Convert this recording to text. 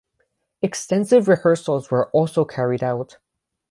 Extensive rehearsals were also carried out.